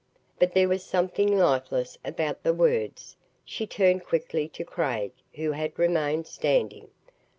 But there was something lifeless about the words. She turned quickly to Craig, who had remained standing.